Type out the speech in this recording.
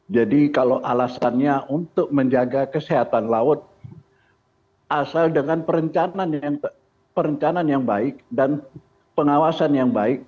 jadi kalau alasannya untuk menjaga kesehatan laut asal dengan perencanaan yang baik dan pengawasan yang baik